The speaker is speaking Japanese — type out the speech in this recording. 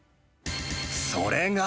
それが。